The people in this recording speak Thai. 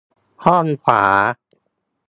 ห้องขวา